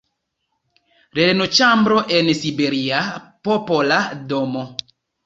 “Lernoĉambro en siberia Popola Domo.